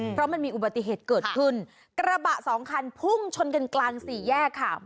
เพราะมันมีอุบัติเหตุเกิดขึ้นกระบะสองคันพุ่งชนกันกลางสี่แยกค่ะ